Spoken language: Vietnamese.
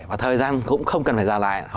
và thời gian cũng không cần phải giả lại